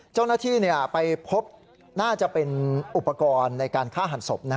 เจ้าหน้าที่ไปพบน่าจะเป็นอุปกรณ์ในการฆ่าหันศพ